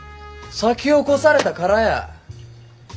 先を越されたからや！